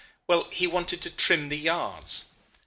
Well, he wanted to trim the yards.